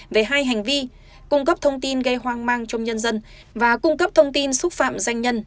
về hai hành vi cung cấp thông tin gây hoang mang trong nhân dân và cung cấp thông tin xúc phạm danh nhân